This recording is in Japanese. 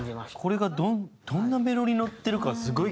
これがどんなメロにのってるかすごい気になるよね。